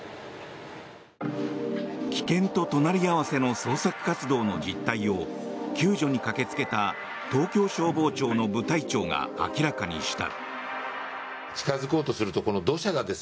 危険と隣り合わせの捜索活動の実態を救助に駆けつけた東京消防庁の部隊長が明らかにした。